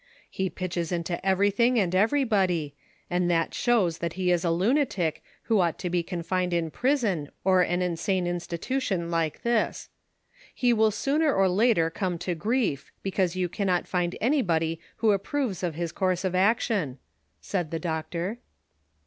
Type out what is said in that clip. He pitches into everything and everybody, and that shows that he is a lunatic, who ought to be confined in prison or an insane institution like this. He will sooner or later come to grief, because you cannot find anybody who ap proves of his course of action," said the doctor.